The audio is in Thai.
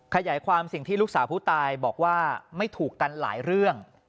ขยายความสิ่งที่ลูกสาวผู้ตายบอกว่าไม่ถูกกันหลายเรื่อง